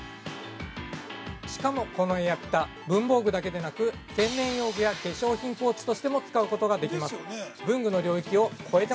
◆しかもこのエアピタ文房具だけでなく洗面用具や化粧品ポーチとしても使うことができます。